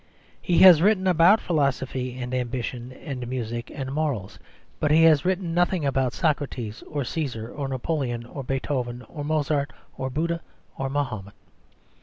He has written about philosophy and ambition and music and morals, but he has written nothing about Socrates or Cæsar or Napoleon, or Beethoven or Mozart, or Buddha or Mahomet.